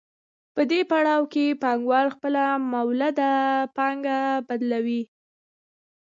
په دې پړاو کې پانګوال خپله مولده پانګه بدلوي